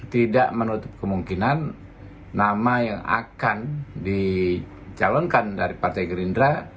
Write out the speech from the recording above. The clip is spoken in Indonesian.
tidak menutup kemungkinan nama yang akan dicalonkan dari partai gerindra